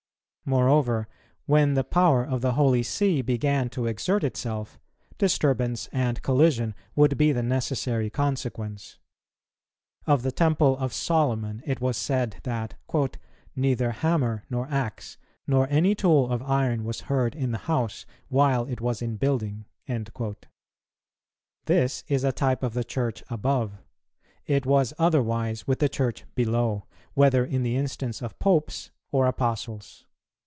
Moreover, when the power of the Holy See began to exert itself, disturbance and collision would be the necessary consequence. Of the Temple of Solomon, it was said that "neither hammer, nor axe, nor any tool of iron was heard in the house, while it was in building." This is a type of the Church above; it was otherwise with the Church below, whether in the instance of Popes or Apostles.